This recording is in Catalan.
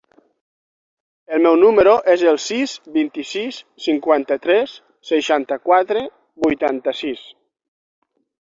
El meu número es el sis, vint-i-sis, cinquanta-tres, seixanta-quatre, vuitanta-sis.